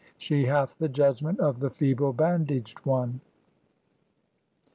She hath the judg "ment of the feeble bandaged one."